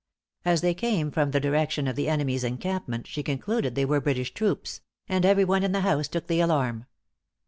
As they came from the direction of the enemy's encampment, she concluded they were British troops; and every one in the house took the alarm.